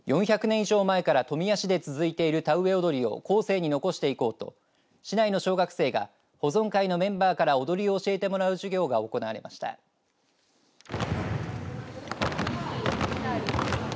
以上前から富谷市で続いている田植踊りを後世に残していこうと市内の小学生が保存会のメンバーから踊りを教えてもらう授業が行われました。